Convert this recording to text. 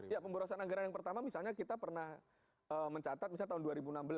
ya pemborosan anggaran yang pertama misalnya kita pernah mencatat misalnya tahun dua ribu enam belas